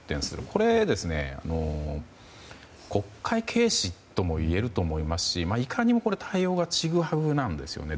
これ、国会軽視ともいえると思いますしいかにも対応がちぐはぐなんですよね。